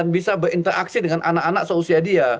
bisa berinteraksi dengan anak anak seusia dia